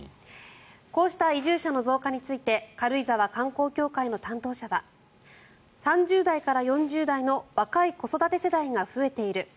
こうした移住者の増加について軽井沢観光協会の担当者は３０代から４０代の若い子育て世代が増えている。